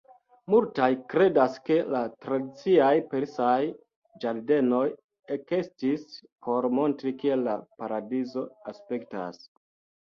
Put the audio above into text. Multaj kredas ke la tradiciaj persaj ĝardenoj ekestis por montri kiel la paradizo aspektas.